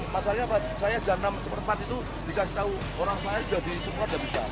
masalahnya saya jam enam sempat itu dikasih tahu orang saya jadi sempat dan bisa